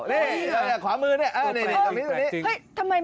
อะไรนี่ขวามือเนี่ย